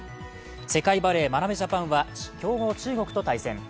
世界バレー、眞鍋ジャパンは強豪・中国と対戦。